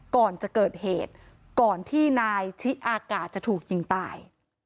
ก่อนจะเกิดเหตุก่อนที่นายชิอากาศจะถูกยิงตาย